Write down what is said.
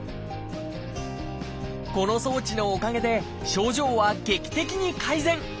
この装置のおかげで症状は劇的に改善！